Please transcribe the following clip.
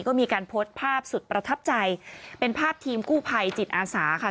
ก็มีการโพสต์ภาพสุดประทับใจเป็นภาพทีมกู้ภัยจิตอาสาค่ะ